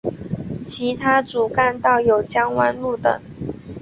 其他主干道有江湾路等。